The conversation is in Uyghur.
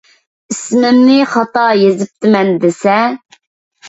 ئىسمىمنى خاتا يېزىپتىمەن دېسە.